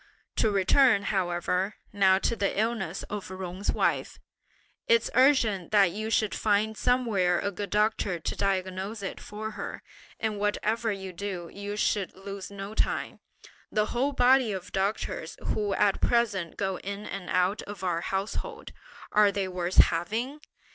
To return however now to the illness of Jung's wife, it's urgent that you should find somewhere a good doctor to diagnose it for her; and whatever you do, you should lose no time. The whole body of doctors who at present go in and out of our household, are they worth having?